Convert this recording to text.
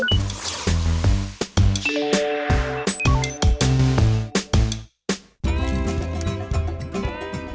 ออกจอ